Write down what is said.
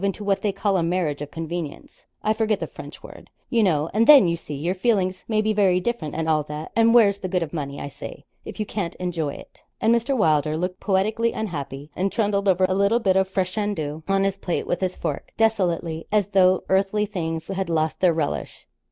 into what they call a marriage of convenience I forget the French word you know; and then, you see, your feelings may be very different, and all that; and where's the good of money, I say, if you can't enjoy it?' And Mr. Wylder looked poetically unhappy, and trundled over a little bit of fricandeau on his plate with his fork, desolately, as though earthly things had lost their relish.